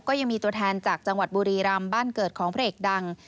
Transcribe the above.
ก็ยังมีตัวแทนจากจังหวัดบุรีรำบ้านเกิดของพระเอกดัง